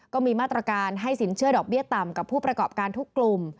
ก็มีมาตรการให้สินเชื่อดอกเบี้ยต่ำกับผู้ประกอบการทุกกลุ่ม